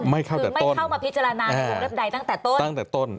คือไม่เข้ามาพิจารณาหรือเริ่มใดตั้งแต่ต้น